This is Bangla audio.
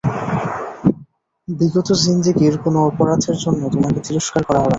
বিগত জিন্দেগীর কোন অপরাধের জন্য তোমাকে তিরস্কার করা হবে না।